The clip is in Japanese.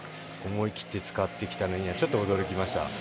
思い切って使ってきたのにはちょっと驚きました。